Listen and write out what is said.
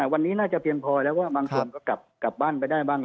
วันนี้น่าจะเพียงพอแล้วว่าบางคนก็กลับบ้านไปได้บ้าง